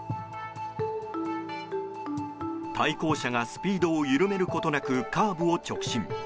対向車がスピードを緩めることなくカーブを直進。